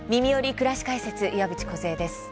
くらし解説」岩渕梢です。